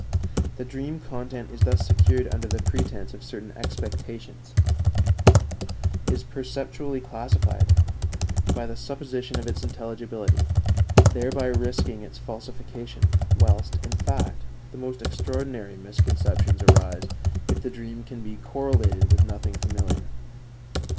The dream content is thus secured under the pretense of certain expectations, is perceptually classified by the supposition of its intelligibility, thereby risking its falsification, whilst, in fact, the most extraordinary misconceptions arise if the dream can be correlated with nothing familiar.